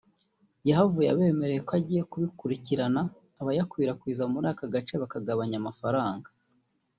yahavuye abemereye ko agiye kubikurikirana abayakwirakwiza muri aka gace bakagabanya amafaranga